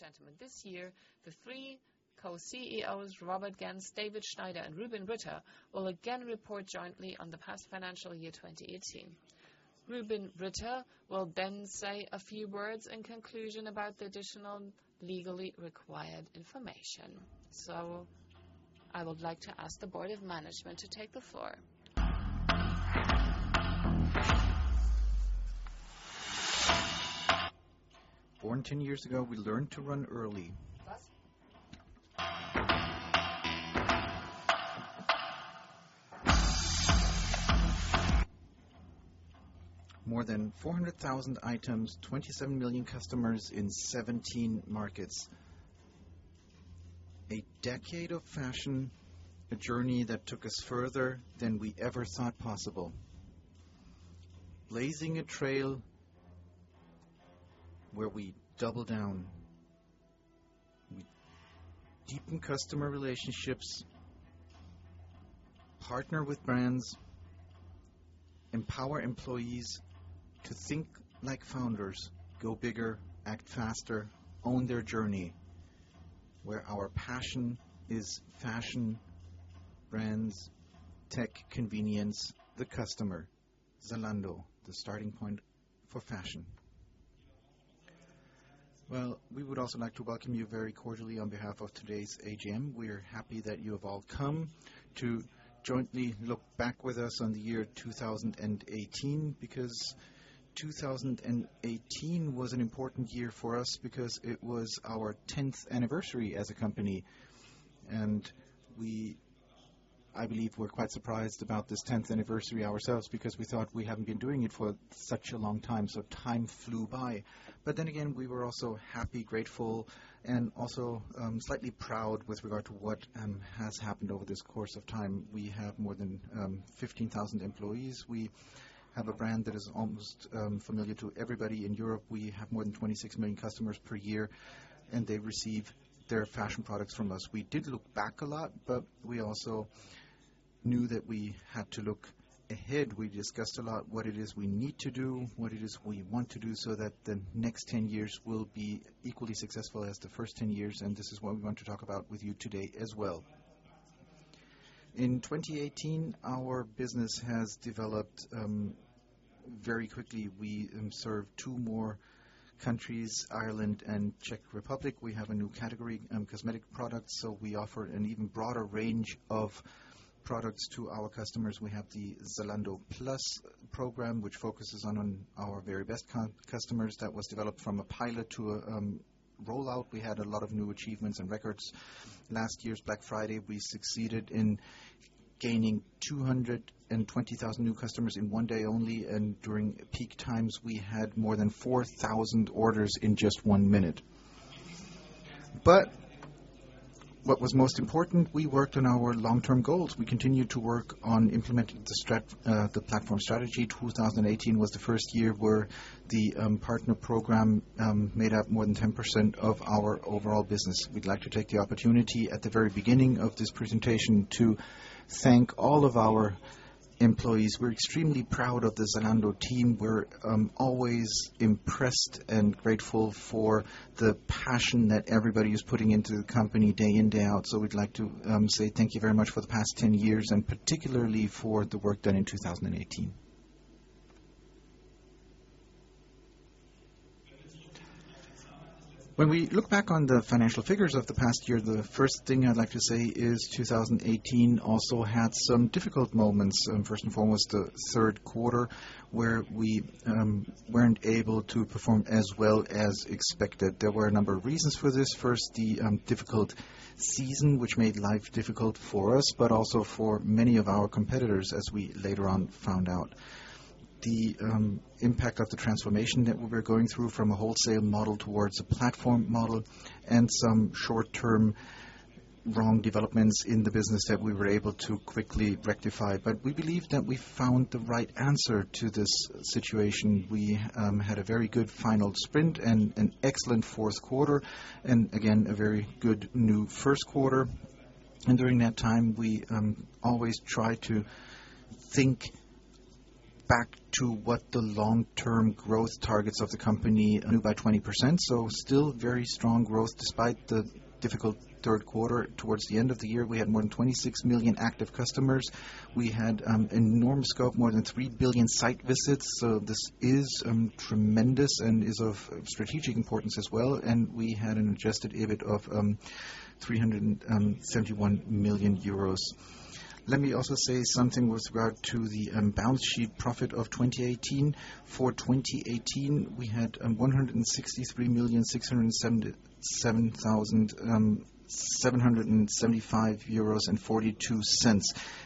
Ladies and gentlemen, this year, the three co-CEOs, Robert Gentz, David Schneider, and Rubin Ritter, will again report jointly on the past financial year 2018. Rubin Ritter will then say a few words in conclusion about the additional legally required information. I would like to ask the Board of Management to take the floor. Born 10 years ago, we learned to run early. What? More than 400,000 items, 27 million customers in 17 markets. A decade of fashion. A journey that took us further than we ever thought possible. Blazing a trail where we double down. We deepen customer relationships, partner with brands, empower employees to think like founders, go bigger, act faster, own their journey. Where our passion is fashion, brands, tech, convenience, the customer. Zalando, the starting point for fashion. Well, we would also like to welcome you very cordially on behalf of today's AGM. We are happy that you have all come to jointly look back with us on the year 2018, because 2018 was an important year for us because it was our 10th anniversary as a company. I believe we're quite surprised about this 10th anniversary ourselves because we thought we haven't been doing it for such a long time flew by. Again, we were also happy, grateful, and also slightly proud with regard to what has happened over this course of time. We have more than 15,000 employees. We have a brand that is almost familiar to everybody in Europe. We have more than 26 million customers per year, they receive their fashion products from us. We did look back a lot, we also knew that we had to look ahead. We discussed a lot what it is we need to do, what it is we want to do, that the next 10 years will be equally successful as the first 10 years, this is what we want to talk about with you today as well. In 2018, our business has developed very quickly. We serve two more countries, Ireland and Czech Republic. We have a new category, cosmetic products, so we offer an even broader range of products to our customers. We have the Zalando Plus program, which focuses on our very best customers. That was developed from a pilot to a rollout. We had a lot of new achievements and records. Last year's Black Friday, we succeeded in gaining 220,000 new customers in one day only, and during peak times, we had more than 4,000 orders in just one minute. What was most important, we worked on our long-term goals. We continued to work on implementing the platform strategy. 2018 was the first year where the partner program made up more than 10% of our overall business. We'd like to take the opportunity at the very beginning of this presentation to thank all of our employees. We're extremely proud of the Zalando team. We're always impressed and grateful for the passion that everybody is putting into the company day in, day out. We'd like to say thank you very much for the past 10 years, and particularly for the work done in 2018. When we look back on the financial figures of the past year, the first thing I'd like to say is 2018 also had some difficult moments. First and foremost, the third quarter, where we weren't able to perform as well as expected. There were a number of reasons for this. First, the difficult season, which made life difficult for us, but also for many of our competitors, as we later on found out. The impact of the transformation that we were going through from a wholesale model towards a platform model and some short-term wrong developments in the business that we were able to quickly rectify. We believe that we found the right answer to this situation. We had a very good final sprint and an excellent fourth quarter, and again, a very good new first quarter. During that time, we always try to think back to what the long-term growth targets of the company. We grew by 20%. Still very strong growth despite the difficult third quarter. Towards the end of the year, we had more than 26 million active customers. We had an enormous scope, more than 3 billion site visits. This is tremendous and is of strategic importance as well. We had an adjusted EBIT of 371 million euros. Let me also say something with regard to the balance sheet profit of 2018. For 2018, we had EUR 163,677,775.42.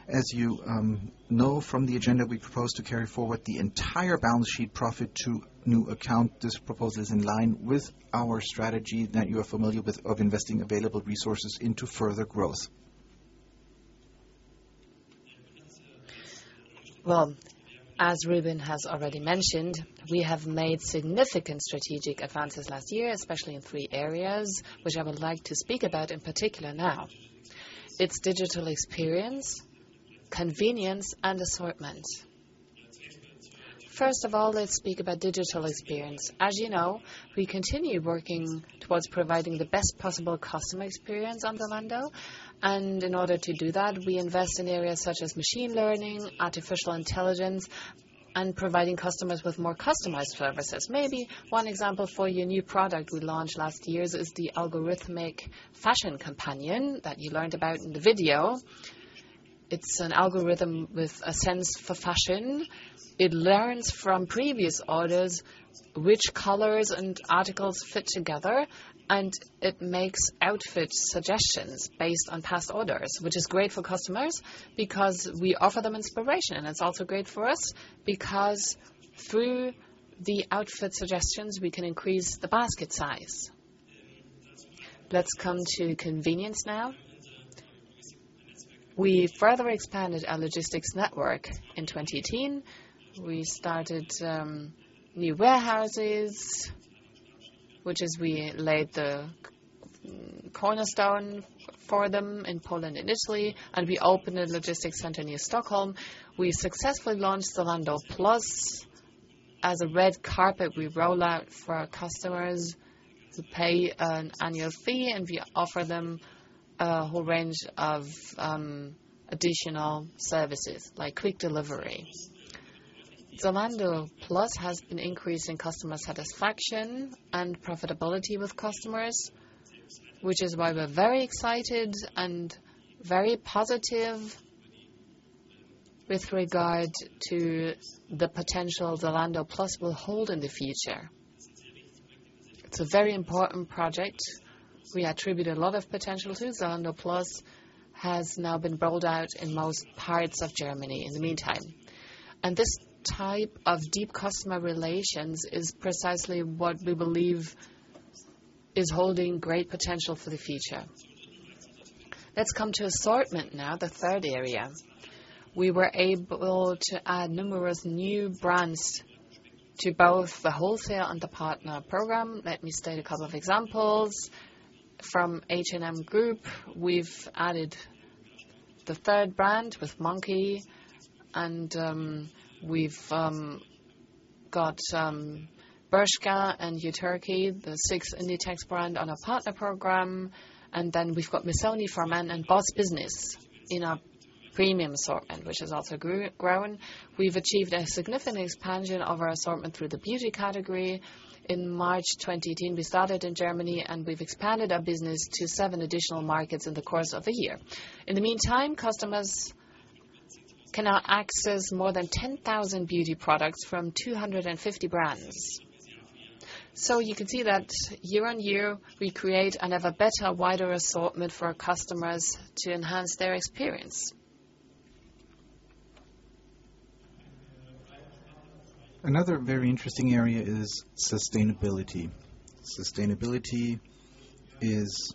As you know from the agenda, we propose to carry forward the entire balance sheet profit to new account. This proposal is in line with our strategy that you are familiar with of investing available resources into further growth. Well, as Rubin has already mentioned, we have made significant strategic advances last year, especially in three areas, which I would like to speak about in particular now. It's digital experience, convenience, and assortment. First of all, let's speak about digital experience. As you know, we continue working towards providing the best possible customer experience on Zalando. In order to do that, we invest in areas such as machine learning, artificial intelligence, and providing customers with more customized services. Maybe one example for you, a new product we launched last year is the algorithmic fashion companion that you learned about in the video. It's an algorithm with a sense for fashion. It learns from previous orders which colors and articles fit together, and it makes outfit suggestions based on past orders, which is great for customers because we offer them inspiration. It's also great for us because through the outfit suggestions, we can increase the basket size. Let's come to convenience now. We further expanded our logistics network in 2018. We started new warehouses, we laid the cornerstone for them in Poland initially, and we opened a logistics center near Stockholm. We successfully launched Zalando Plus as a red carpet we roll out for our customers to pay an annual fee, and we offer them a whole range of additional services, like quick delivery. Zalando Plus has been increasing customer satisfaction and profitability with customers, which is why we're very excited and very positive with regard to the potential Zalando Plus will hold in the future. It's a very important project we attribute a lot of potential to. Zalando Plus has now been rolled out in most parts of Germany in the meantime. This type of deep customer relations is precisely what we believe is holding great potential for the future. Let's come to assortment now, the third area. We were able to add numerous new brands to both the wholesale and the partner program. Let me state a couple of examples. From H&M Group, we've added the third brand with Monki, and we've got Bershka and Uterqüe, the sixth Inditex brand on our partner program. We've got Missoni for Men and BOSS Business in our premium assortment, which has also grown. We've achieved a significant expansion of our assortment through the beauty category. In March 2018, we started in Germany, and we've expanded our business to seven additional markets in the course of a year. In the meantime, customers can now access more than 10,000 beauty products from 250 brands. You can see that year-on-year, we create another better, wider assortment for our customers to enhance their experience. Another very interesting area is sustainability. Sustainability is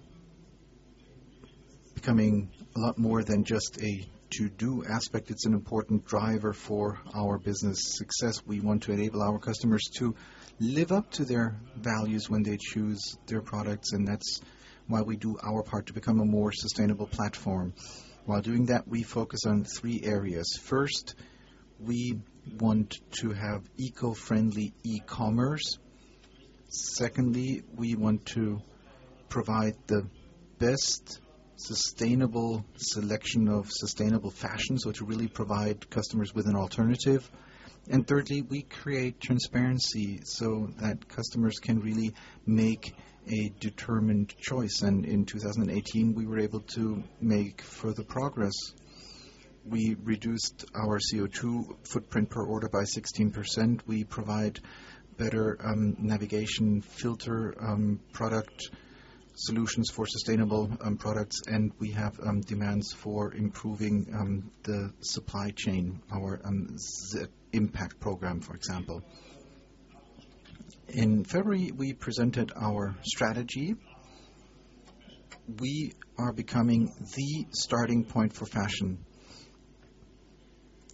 becoming a lot more than just a to-do aspect. It's an important driver for our business success. We want to enable our customers to live up to their values when they choose their products, and that's why we do our part to become a more sustainable platform. While doing that, we focus on three areas. First, we want to have eco-friendly e-commerce. Secondly, we want to provide the best sustainable selection of sustainable fashion, so to really provide customers with an alternative. Thirdly, we create transparency so that customers can really make a determined choice. In 2018, we were able to make further progress. We reduced our CO2 footprint per order by 16%. We provide better navigation filter product solutions for sustainable products, and we have demands for improving the supply chain, our impact program, for example. In February, we presented our strategy. We are becoming the starting point for fashion.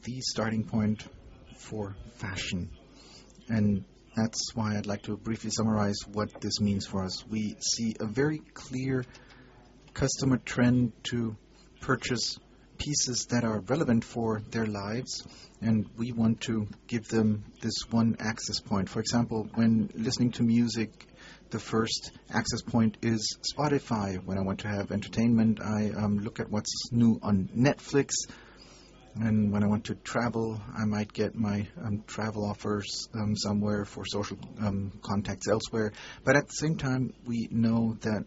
The starting point for fashion. That's why I'd like to briefly summarize what this means for us. We see a very clear customer trend to purchase pieces that are relevant for their lives, and we want to give them this one access point. For example, when listening to music, the first access point is Spotify. When I want to have entertainment, I look at what's new on Netflix. When I want to travel, I might get my travel offers somewhere for social contacts elsewhere. At the same time, we know that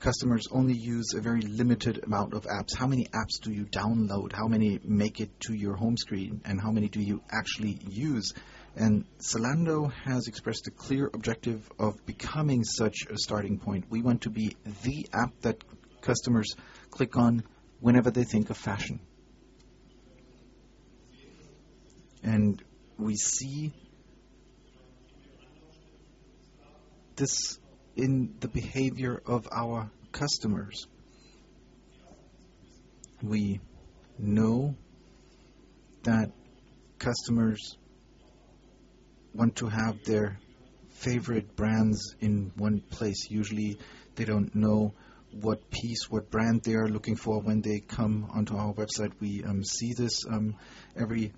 customers only use a very limited amount of apps. How many apps do you download? How many make it to your home screen? And how many do you actually use? Zalando has expressed a clear objective of becoming such a starting point. We want to be the app that customers click on whenever they think of fashion. We see this in the behavior of our customers. We know that customers want to have their favorite brands in one place. Usually, they don't know what piece, what brand they are looking for when they come onto our website. We see this. Every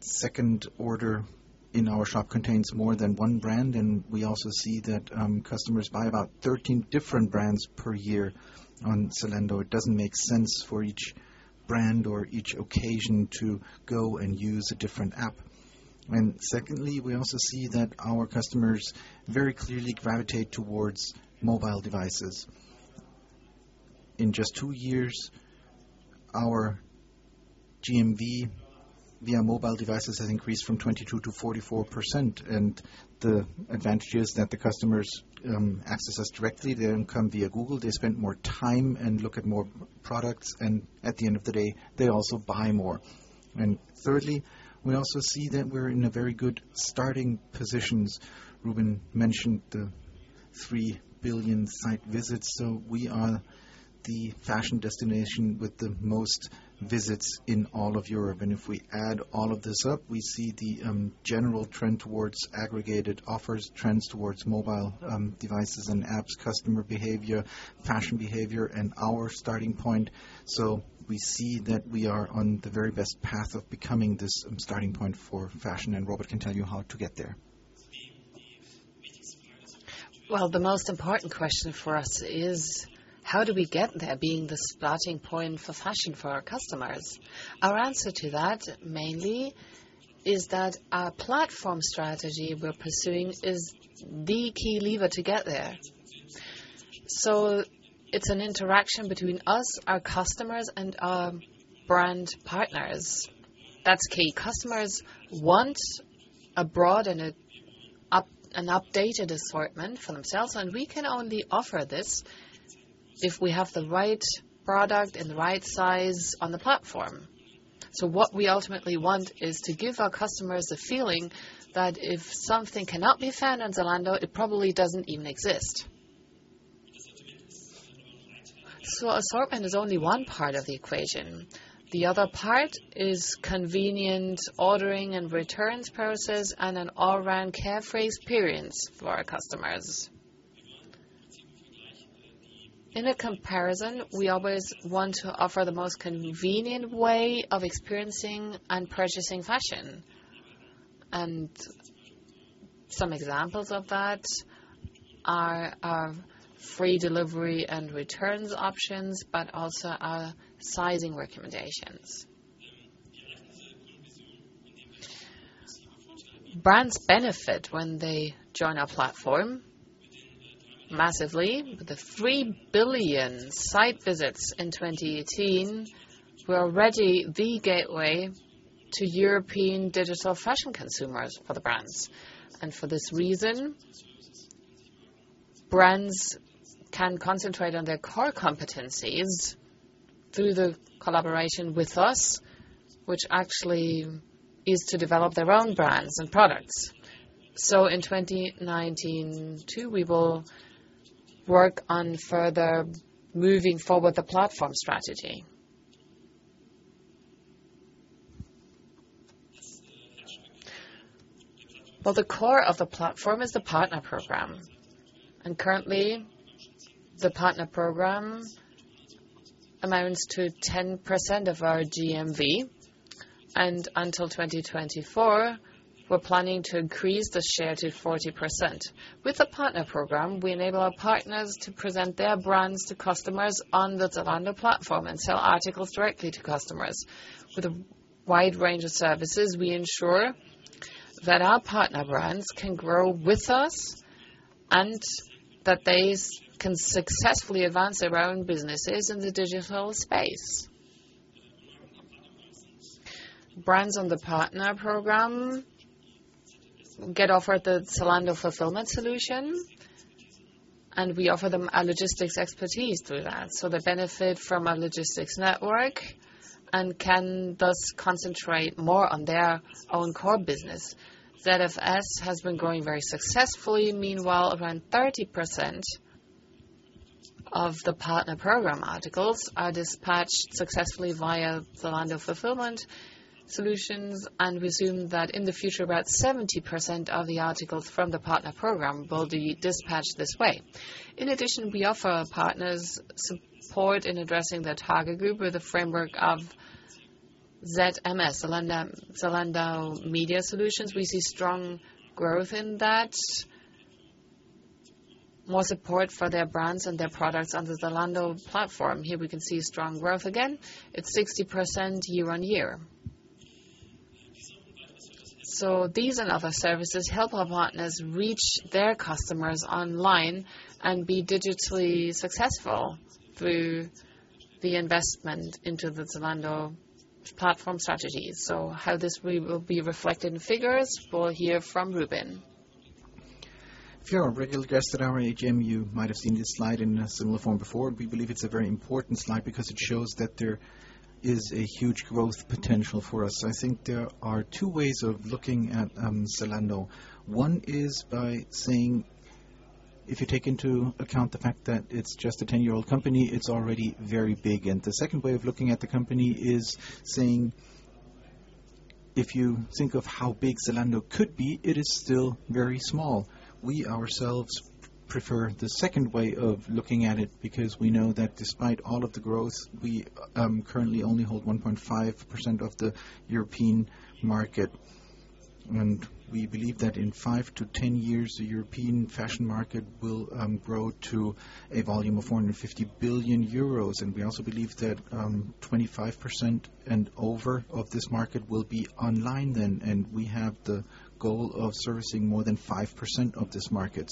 second order in our shop contains more than one brand, and we also see that customers buy about 13 different brands per year on Zalando. It doesn't make sense for each brand or each occasion to go and use a different app. Secondly, we also see that our customers very clearly gravitate towards mobile devices. In just two years, our GMV via mobile devices has increased from 22% to 44%. The advantage is that the customers access us directly. They don't come via Google. They spend more time and look at more products. At the end of the day, they also buy more. Thirdly, we also see that we're in a very good starting positions. Rubin mentioned the 3 billion site visits. We are the fashion destination with the most visits in all of Europe. If we add all of this up, we see the general trend towards aggregated offers, trends towards mobile devices and apps, customer behavior, fashion behavior, and our starting point. We see that we are on the very best path of becoming this starting point for fashion. Robert can tell you how to get there. Well, the most important question for us is how do we get there being the starting point for fashion for our customers? Our answer to that, mainly, is that our platform strategy we're pursuing is the key lever to get there. It's an interaction between us, our customers, and our brand partners. That's key. Customers want a broad and an updated assortment for themselves, and we can only offer this if we have the right product and the right size on the platform. What we ultimately want is to give our customers a feeling that if something cannot be found on Zalando, it probably doesn't even exist. Assortment is only one part of the equation. The other part is convenient ordering and returns process and an all-round carefree experience for our customers. In a comparison, we always want to offer the most convenient way of experiencing and purchasing fashion. Some examples of that are our free delivery and returns options, but also our sizing recommendations. Brands benefit when they join our platform massively. With the 3 billion site visits in 2018, we're already the gateway to European digital fashion consumers for the brands. For this reason, brands can concentrate on their core competencies through the collaboration with us, which actually is to develop their own brands and products. In 2019 too, we will work on further moving forward the platform strategy. Well, the core of the platform is the partner program. Currently, the partner program amounts to 10% of our GMV. Until 2024, we're planning to increase the share to 40%. With the partner program, we enable our partners to present their brands to customers on the Zalando platform and sell articles directly to customers. With a wide range of services, we ensure that our partner brands can grow with us and that they can successfully advance their own businesses in the digital space. Brands on the partner program get offered the Zalando Fulfillment Solutions, and we offer them our logistics expertise through that. They benefit from our logistics network and can thus concentrate more on their own core business. ZFS has been growing very successfully. Meanwhile, around 30% of the partner program articles are dispatched successfully via Zalando Fulfillment Solutions and we assume that in the future, about 70% of the articles from the partner program will be dispatched this way. In addition, we offer our partners support in addressing their target group with the framework of ZMS, Zalando Media Solutions. We see strong growth in that. More support for their brands and their products on the Zalando platform. Here we can see strong growth again. It's 60% year-over-year. These and other services help our partners reach their customers online and be digitally successful through the investment into the Zalando platform strategy. How this will be reflected in figures, we'll hear from Rubin. If you're a regular guest at our AGM, you might have seen this slide in a similar form before. We believe it's a very important slide because it shows that there is a huge growth potential for us. I think there are two ways of looking at Zalando. One is by saying, if you take into account the fact that it's just a 10-year-old company, it's already very big. The second way of looking at the company is saying, if you think of how big Zalando could be, it is still very small. We ourselves prefer the second way of looking at it because we know that despite all of the growth, we currently only hold 1.5% of the European market. We believe that in five to 10 years, the European fashion market will grow to a volume of 450 billion euros. We also believe that 25% and over of this market will be online then, and we have the goal of servicing more than 5% of this market.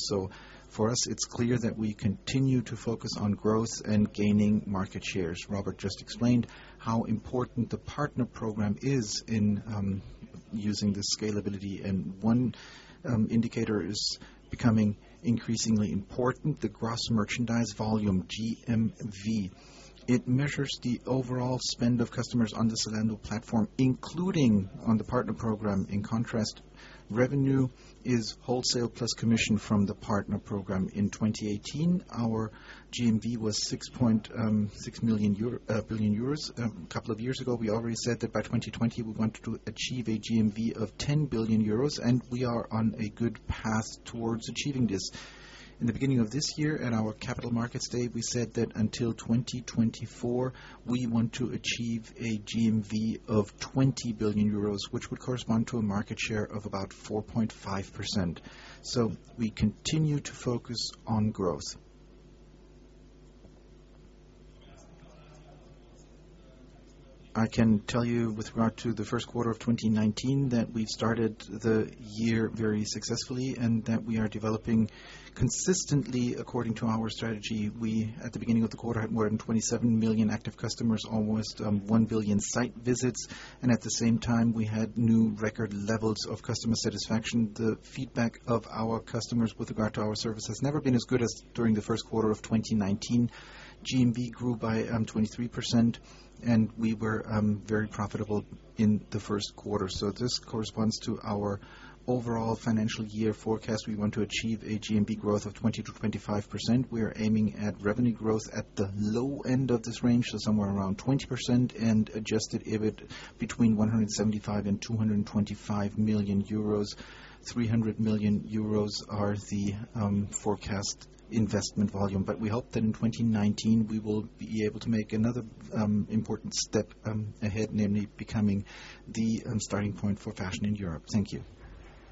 For us, it's clear that we continue to focus on growth and gaining market shares. Robert just explained how important the partner program is in using the scalability. One indicator is becoming increasingly important, the gross merchandise volume, GMV. It measures the overall spend of customers on the Zalando platform, including on the partner program. In contrast, revenue is wholesale plus commission from the partner program. In 2018, our GMV was 6.6 billion euro. A couple of years ago, we already said that by 2020 we want to achieve a GMV of 10 billion euros, and we are on a good path towards achieving this. In the beginning of this year at our capital markets day, we said that until 2024, we want to achieve a GMV of 20 billion euros, which would correspond to a market share of about 4.5%. We continue to focus on growth. I can tell you with regard to the first quarter of 2019, that we've started the year very successfully and that we are developing consistently according to our strategy. We, at the beginning of the quarter, had more than 27 million active customers, almost one billion site visits. At the same time, we had new record levels of customer satisfaction. The feedback of our customers with regard to our service has never been as good as during the first quarter of 2019. GMV grew by 23%. We were very profitable in the first quarter. This corresponds to our overall financial year forecast. We want to achieve a GMV growth of 20%-25%. We are aiming at revenue growth at the low end of this range. Somewhere around 20% and adjusted EBIT between 175 million and 225 million euros. 300 million euros are the forecast investment volume. We hope that in 2019 we will be able to make another important step ahead, namely becoming the starting point for fashion in Europe. Thank you.